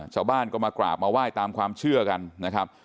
ชาวบ้านก็มากราบมาไหว้ตามความเชื่อกันนะครับ